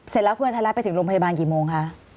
เสร็จแล้วทันแรกไปถึงโรงพยาบาลกี่โมงคะ